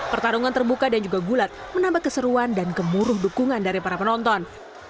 pertarungan terbuka dan juga gulat menambah keseruan dan kemuruh dukungan dari para penonton